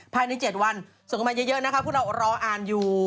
ภายใน๗วันส่งกันมาเยอะนะคะพวกเรารออ่านอยู่